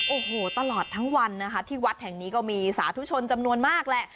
โอ้โหตลอดทั้งวันนะคะที่วัดแห่งนี้ก็มีสาธุชนจำนวนมากแหละ